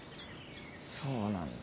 そうなんだ。